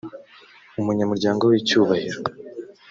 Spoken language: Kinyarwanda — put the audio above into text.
umunyamuryango w icyubahiro